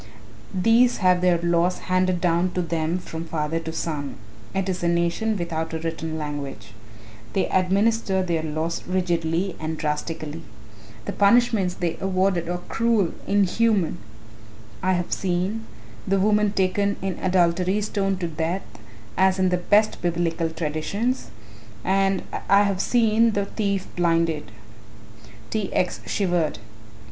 These have their laws handed down to them from father to son it is a nation without a written language. They administer their laws rigidly and drastically. The punishments they award are cruel inhuman. I have seen, the woman taken in adultery stoned to death as in the best Biblical traditions, and I have seen the thief blinded." T. X. shivered.